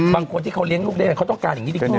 บางคนที่เขาเลี้ยงลูกได้เขาต้องการอย่างนี้ดีกว่า